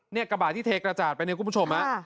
เนี่ยกระบะที่เทกระจาดไปนี่คุณผู้ชมมั้ย